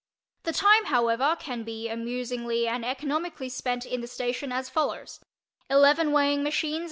The time, however, can be amusingly and economically spent in the station as follows: 11 weighing machines @.